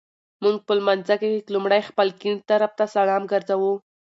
مونږ په لمانځه کي لومړی خپل ګېڼ طرفته سلام ګرځوو